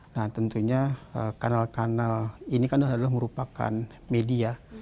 nah tentunya kanal kanal ini kan adalah merupakan media